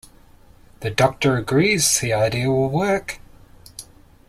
The doctor agrees the idea will work.